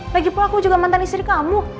lagipul aku juga mantan istri kamu